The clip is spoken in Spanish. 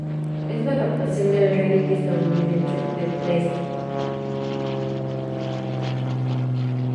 Es la adaptación del reality estadounidense The Taste.